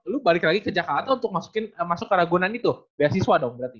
lo balik lagi ke jakarta untuk masuk ke ragunan itu beasiswa dong berarti